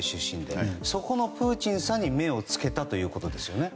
そこのプーチンさんに目を付けたということですよね。